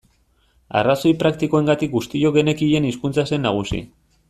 Arrazoi praktikoengatik guztiok genekien hizkuntza zen nagusi.